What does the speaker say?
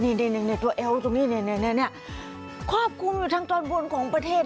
นี่ตัวเอวตรงนี้ครอบคลุมอยู่ทางตอนบนของประเทศ